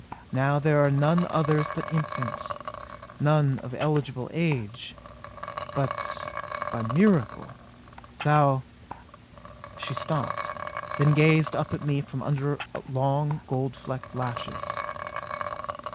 Now there are none others but infants, none of eligible age. But by a miracle thou " She stopped; then gazed up at me from under long, gold flecked lashes.